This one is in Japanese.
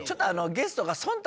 ゲストが。